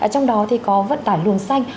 trong đó thì có vận tải luồng xanh